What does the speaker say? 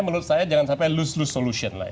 menurut saya jangan sampai lose lose solution